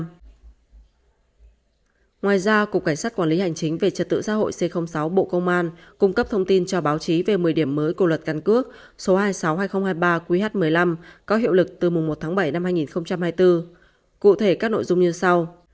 ngoài ra cục cảnh sát quản lý hành chính về trật tự xã hội c sáu bộ công an cung cấp thông tin cho báo chí về một mươi điểm mới của luật căn cước số hai trăm sáu mươi hai nghìn hai mươi ba qh một mươi năm có hiệu lực từ mùng một tháng bảy năm hai nghìn hai mươi bốn cụ thể các nội dung như sau